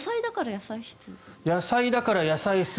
野菜だから野菜室。